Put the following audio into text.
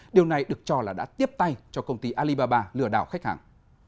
điều này được cho là đã tiếp tay cho công ty alibaba lừa đảo khách hàng